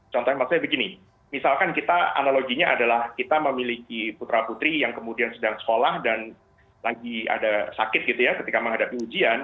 contohnya maksudnya begini misalkan kita analoginya adalah kita memiliki putra putri yang kemudian sedang sekolah dan lagi ada sakit gitu ya ketika menghadapi ujian